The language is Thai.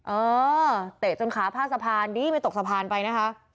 เออเตะจนขาผ้าสะพานดีไปตกสะพานไปนะคะ